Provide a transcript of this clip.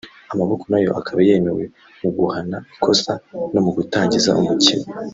amaboko nayo akaba yemewe mu guhana ikosa no mu gutangiza umukino